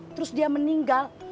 terus dia meninggal